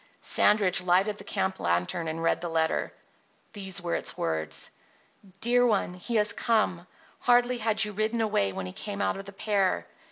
Sandridge lighted the camp lantern and read the letter. These were its words: Dear One: He has come. Hardly had you ridden away when he came out of the pear.